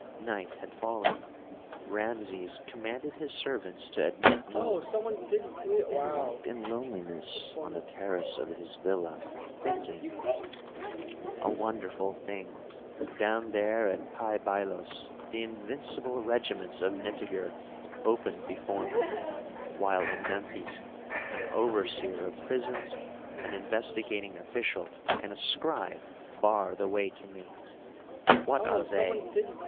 Night had fallen. Rameses commanded his servants to admit no one, and walked in loneliness on the terrace of his villa, thinking, "A wonderful thing! Down there at Pi Bailos the invincible regiments of Nitager opened before me, while in Memphis an overseer of prisons, an investigating official, and a scribe bar the way to me. What are they?